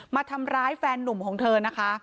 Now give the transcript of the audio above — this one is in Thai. มาทำร้ายแฟนนุ่มของเธอนะคะ